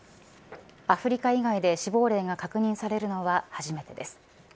アフリカ以外で死亡例が確認されるのは初めてです。